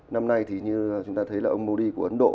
năm nay thì như chúng ta thấy là ông modi của ấn độ